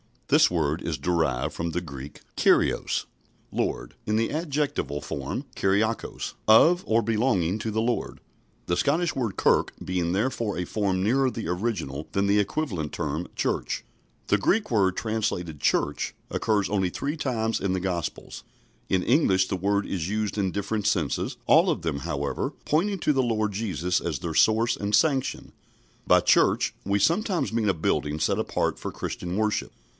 This word is derived from the Greek kurios, Lord, in the adjectival form kuriakos, of or belonging to the Lord the Scottish word "kirk" being therefore a form nearer the original than the equivalent term Church. The Greek word translated "church" occurs only three times in the Gospels. In English the word is used in different senses, all of them, however, pointing to the Lord Jesus as their source and sanction. By "church," we sometimes mean a building set apart for Christian worship.